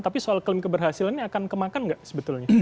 tapi soal klaim keberhasilan ini akan kemakan nggak sebetulnya